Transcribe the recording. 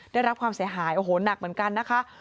ได้รับความเสียหายโอ้โหหนักเหมือนกันนะคะ